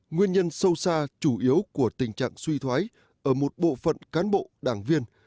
nguyên nhân sâu xa chủ yếu của tình trạng suy thoái ở một bộ phận cán bộ đảng viên